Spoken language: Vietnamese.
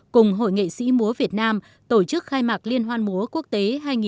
cùng hội nghệ sĩ múa việt nam tổ chức khai mạc liên hoan múa quốc tế hai nghìn một mươi chín